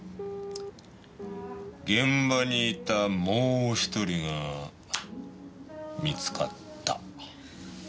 現場にいたもう１人が見つかった。